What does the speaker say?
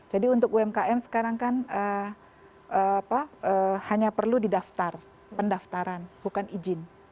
jadi untuk umkm sekarang kan hanya perlu didaftar pendaftaran bukan izin